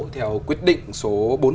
theo quyết định số bốn trăm một mươi một